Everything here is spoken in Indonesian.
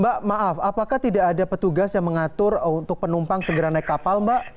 mbak maaf apakah tidak ada petugas yang mengatur untuk penumpang segera naik kapal mbak